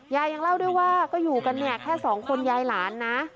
ยังเล่าด้วยว่าก็อยู่กันเนี่ยแค่สองคนยายหลานนะ